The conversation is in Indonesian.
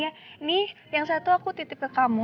ini yang satu aku titip ke kamu